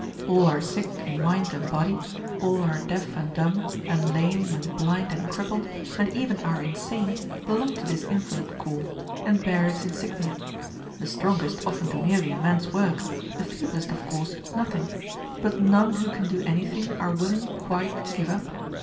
All our sick in mind and body, all our deaf and dumb, and lame and blind and crippled, and even our insane, belong to this invalid corps, and bear its insignia. The strongest often do nearly a man's work, the feeblest, of course, nothing; but none who can do anything are willing quite to give up.